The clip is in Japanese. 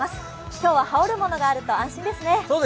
今日は羽織る物があると安心ですね。